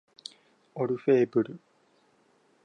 オルフェーヴル